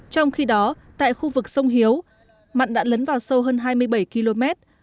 trong khi đó tại khu vực sông hiếu mặn đã lấn vào sâu hơn hai mươi bảy km